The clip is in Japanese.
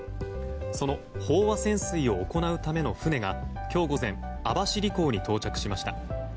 その飽和潜水を行うための船が今日午前網走港に到着しました。